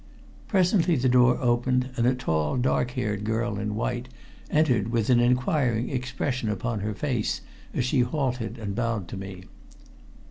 Presently the door opened, and a tall dark haired girl in white entered with an enquiring expression upon her face as she halted and bowed to me.